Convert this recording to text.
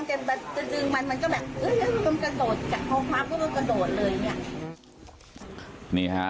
ชุดกระโดดไปข้างบนาลักษณฑ์กระโดดเลย